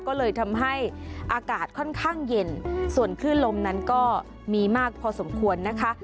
ก็เลยทำให้อากาศค่อนข้างเย็นส่วนคลื่นลมนั้นก็มีมากพอสมควรนะคะ